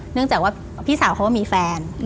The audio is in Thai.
เนื่องจากว่าพี่สาวเขาก็มีแฟน